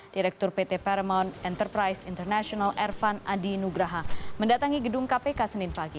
direktur pt paremount enterprise international ervan adi nugraha mendatangi gedung kpk senin pagi